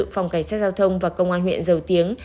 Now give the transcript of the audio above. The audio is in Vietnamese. phòng cảnh sát giao thông và công an huyện dầu tiếng